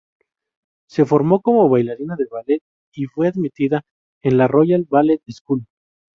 Se formó como bailarina de ballet y fue admitida en la Royal Ballet School.